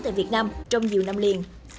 tại việt nam trong nhiều năm liền